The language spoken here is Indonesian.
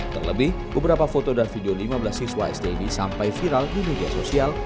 terlebih beberapa foto dan video lima belas siswa sd ini sampai viral di media sosial